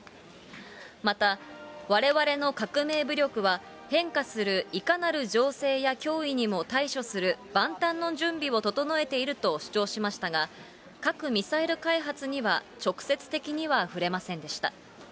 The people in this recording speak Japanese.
また、われわれの革命武力は変化するいかなる情勢や脅威にも対処する万端の準備を整えていると主張しましたが、核・ミサイル開発には直接的には触れませんでした。